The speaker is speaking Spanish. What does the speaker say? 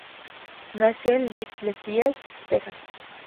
Nació en Littlefield, Texas.